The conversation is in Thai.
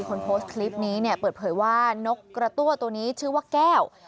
คนโพสต์คลิปนี้เนี่ยเปิดเผยว่านกกระตั้วตัวนี้ชื่อว่าแก้ว